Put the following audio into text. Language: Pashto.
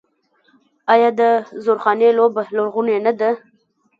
آیا د زورخانې لوبه لرغونې نه ده؟